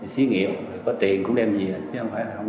xí nghiệm có tiền cũng đem về